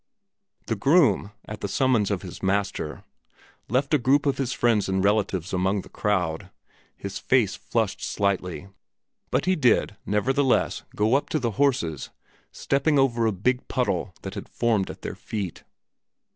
The groom, at the summons of his master, left a group of his friends and relatives among the crowd; his face flushed slightly, but he did, nevertheless, go up to the horses, stepping over a big puddle that had formed at their feet.